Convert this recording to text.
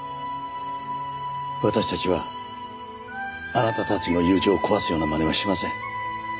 私たちはあなたたちの友情を壊すようなまねはしません。